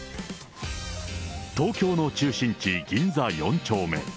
東京の中心地、銀座４丁目。